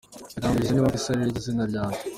Yambajije niba Mpyisi ariryo zina ryanjye.